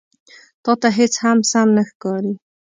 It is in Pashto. _تاته هېڅ هم سم نه ښکاري.